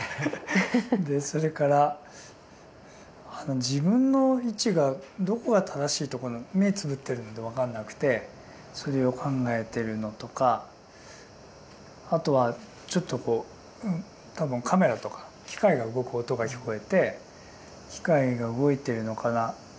それから自分の位置がどこが正しいとか目つぶっているので分からなくてそれを考えているのとかあとはちょっと多分カメラとか機械が動く音が聞こえて機械が動いているのかな？